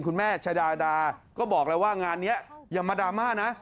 คุณแม่ชายาดาก็บอกเลยว่างานนี้ยมาดาม่านะ